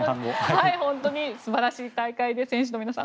本当に素晴らしい大会で選手の皆さん